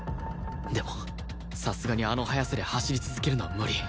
でもさすがにあの速さで走り続けるのは無理